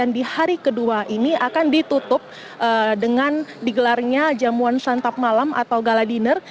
di hari kedua ini akan ditutup dengan digelarnya jamuan santap malam atau gala dinner